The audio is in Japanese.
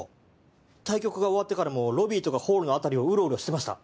対局が終わってからもロビーとかホールの辺りをうろうろしてました。